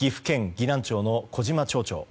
岐南町の小島町長。